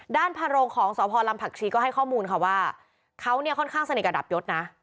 พาโรงของสพลำผักชีก็ให้ข้อมูลค่ะว่าเขาเนี่ยค่อนข้างสนิทกับดับยศนะ